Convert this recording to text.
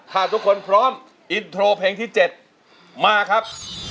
ถ้าทุกคนพร้อมอินโทรเพลงที่๗มาครับ